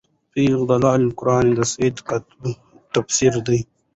في ظِلال القُرآن د سيد قُطب تفسير دی